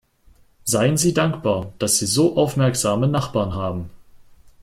Seien Sie dankbar, dass Sie so aufmerksame Nachbarn haben!